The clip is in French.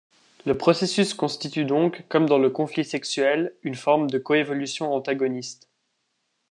Le processus constitue donc, comme dans le conflit sexuel, une forme de coévolution antagoniste.